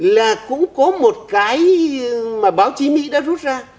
là cũng có một cái mà báo chí mỹ đã rút ra